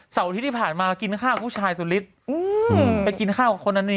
อาทิตย์ที่ผ่านมากินข้าวกับผู้ชายสุฤทธิ์ไปกินข้าวกับคนนั้นนี่